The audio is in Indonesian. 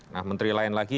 nah menteri lain lagi